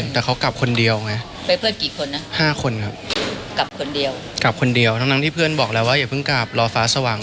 แต่เขากลับคนเดียวไงไปเพื่อนกี่คนอ่ะห้าคนครับกลับคนเดียว